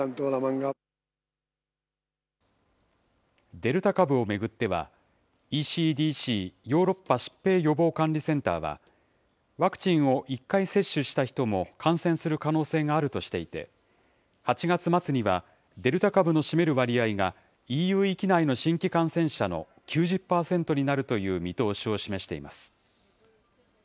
デルタ株を巡っては、ＥＣＤＣ・ヨーロッパ疾病予防管理センターは、ワクチンを１回接種した人も感染する可能性があるとしていて、８月末にはデルタ株の占める割合がＥＵ域内の新規感染者の９０％になるという見通しを示しています。